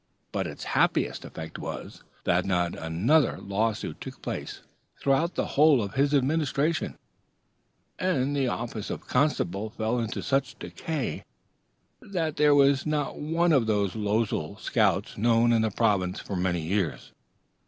But its happiest effect was, that not another lawsuit took place throughout the whole of his administration; and the office of constable fell into such decay, that there was not one of those losel scouts known in the province for many years.